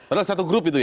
padahal satu grup itu ya